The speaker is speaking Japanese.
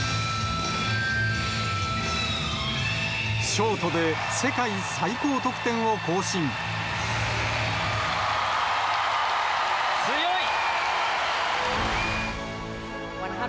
ショートで世界最高得点を更強い。